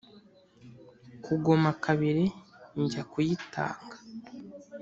kugoma kabiri njya kuyitanga